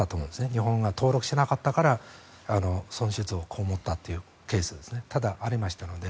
日本が登録しなかったから損失を被ったというケースがありましたので。